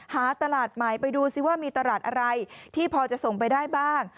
หาตลาดใหม่ไปดูซิว่ามีตลาดอะไรที่พอจะส่งไปได้บ้าง